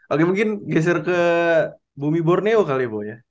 oke mungkin geser ke bumi borneo kali ya pokoknya